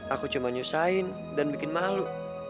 aku cuma nyusahin dan bikin malu